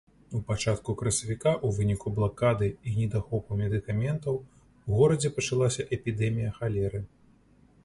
У пачатку красавіка ў выніку блакады і недахопу медыкаментаў у горадзе пачалася эпідэмія халеры.